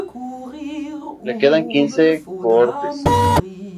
Le quedaban quince cohortes.